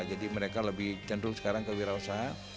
jadi mereka lebih cenderung sekarang kewirausaha